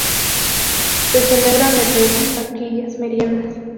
Se celebran verbenas, vaquillas, meriendas...